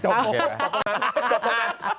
จบตรงนั้นจบตรงนั้น